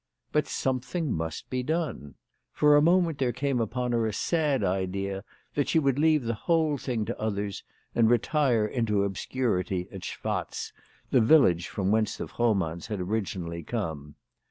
But something must be done. For a moment there came upon her a sad idea that she would leave the whole thing to others, and retire into obscurity at Schwatz, the village from whence the Frohmanns had originally come.